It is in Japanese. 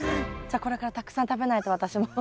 じゃあこれからたくさん食べないと私も。